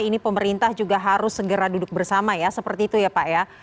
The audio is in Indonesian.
ini pemerintah juga harus segera duduk bersama ya seperti itu ya pak ya